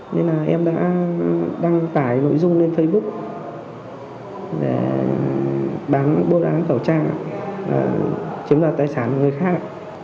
nên em đã đăng tải nội dung lên facebook để bán bộ đoán khẩu trang chứng mất tài sản người khác